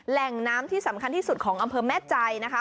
แหล่งน้ำที่สำคัญที่สุดของอำเภอแม่ใจนะคะ